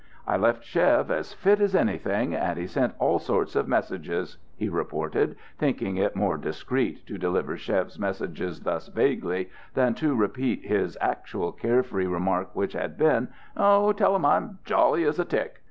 "I left Chev as fit as anything, and he sent all sorts of messages," he reported, thinking it more discreet to deliver Chev's messages thus vaguely than to repeat his actual carefree remark, which had been, "Oh, tell 'em I'm jolly as a tick."